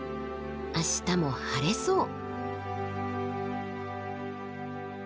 明日も晴れそう。